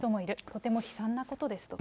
とても悲惨なことですと。